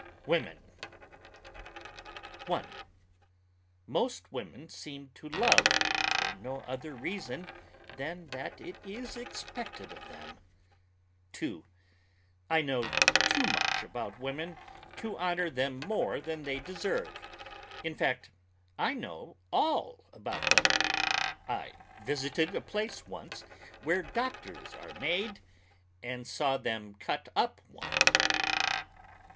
WOMEN 1. Most women seem to love for no other reason than that it is expected of them. 2. I know too much about women to honor them more than they deserve; in fact I know all about them. I visited a place once where doctors are made, and saw them cut up one.